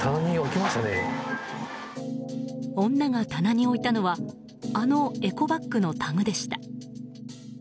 女が棚に置いたのはあのエコバッグのタグでした。